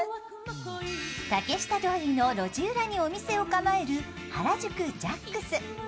竹下通りの路地裏に店を構える原宿Ｊａｃｋ’ｓ。